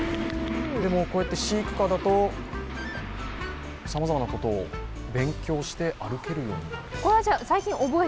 でも、こうやって飼育下だと、さまざまなことを勉強して歩けるようになる。